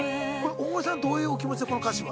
大森さんはどういうお気持ちでこの歌詞は。